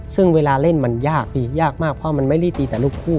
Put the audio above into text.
ซึ่งเวลาเล่นมันยากพี่ยากมากเพราะมันไม่ได้ตีแต่ลูกคู่